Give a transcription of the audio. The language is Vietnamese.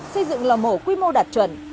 xây dựng lò mổ quy mô đạt chuẩn